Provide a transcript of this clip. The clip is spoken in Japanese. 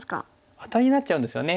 アタリになっちゃうんですよね。